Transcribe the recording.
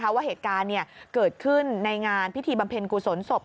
ว่าเหตุการณ์เกิดขึ้นในงานพิธีบำเพ็ญกุศลศพ